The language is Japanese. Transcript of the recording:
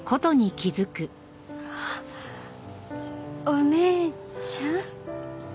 お姉ちゃん？